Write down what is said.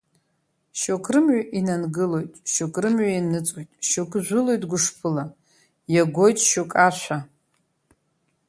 Шьоук рымҩа инангылоит, шьоук рымҩа ианыҵуеит, шьоук жәылоит гәышԥыла, иагоит шьоук ашәа!